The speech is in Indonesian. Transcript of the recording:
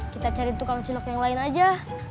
kita cari tukang cilok yang lain aja